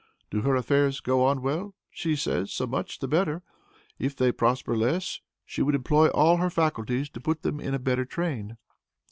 Do her affairs go on well? she says, so much the better. If they prosper less, she would employ all her faculties to put them in a better train.